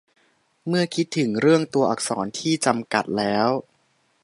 เมื่อคิดถึงเรื่องตัวอักษรที่จำกัดแล้ว